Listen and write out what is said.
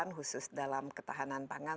khusus dalam ketahanan pangan